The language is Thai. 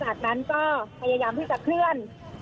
จากนั้นก็พยายามที่จะเคลื่อน